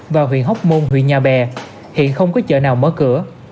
và huyện hóc môn huyện nhà bè hiện không có chợ nào mở cửa